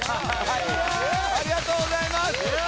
ありがとうございます。